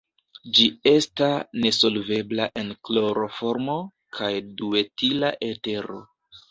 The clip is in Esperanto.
Ĝi esta nesolvebla en kloroformo kaj duetila etero.